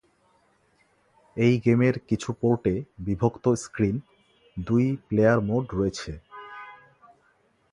এই গেমের কিছু পোর্টে বিভক্ত-স্ক্রিন দুই প্লেয়ার মোড রয়েছে।